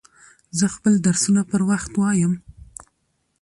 زه خپل درسونه پر وخت وایم.